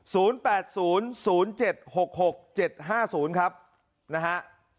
แปดศูนย์ศูนย์เจ็ดหกหกเจ็ดห้าศูนย์ครับนะฮะ